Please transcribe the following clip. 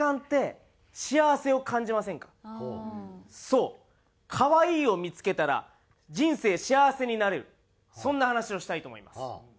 そう可愛いを見付けたら人生幸せになれるそんな話をしたいと思います。